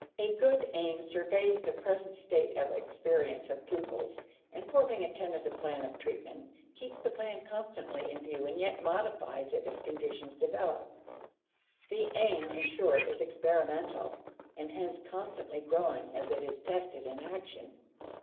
A good aim surveys the present state of experience of pupils, and forming a tentative plan of treatment, keeps the plan constantly in view and yet modifies it as conditions develop. The aim, in short, is experimental, and hence constantly growing as it is tested in action.